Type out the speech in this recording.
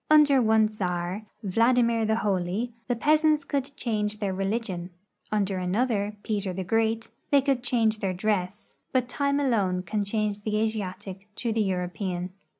• Under one czar, Vladimir the Holy, the peasants could change their religion ; under another, Peter the Great, they could change their dress, but time alone can change the Asiatic to the Euro pean.